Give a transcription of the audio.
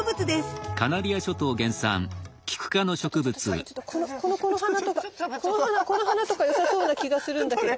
ちょっとちょっとちょっとちょっとこの花とかこの花とかよさそうな気がするんだけど。